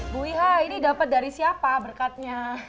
bu iha ini dapat dari siapa berkatnya